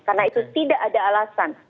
karena itu tidak ada alasan